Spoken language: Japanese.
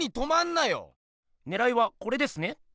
ねらいはこれですね？